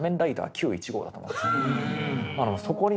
旧１号だと思うんですよ。